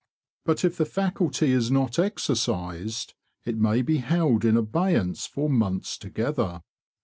But if the faculty is not exercised, it may be held in abeyance for months together.